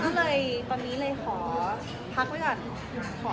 ก็เลยตอนนี้เลยขอพักไว้ก่อน